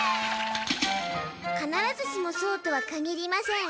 かならずしもそうとはかぎりません。